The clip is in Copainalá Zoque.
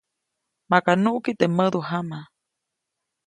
Maka nuʼki teʼ mädujama.